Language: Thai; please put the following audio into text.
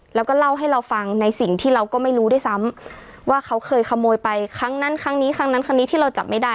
แล้วก็เล่าให้เราฟังในสิ่งที่เราก็ไม่รู้ด้วยซ้ำว่าเขาเคยขโมยไปครั้งนั้นครั้งนี้ครั้งนั้นครั้งนี้ที่เราจับไม่ได้